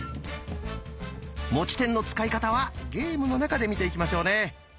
持ち点の使い方はゲームの中で見ていきましょうね！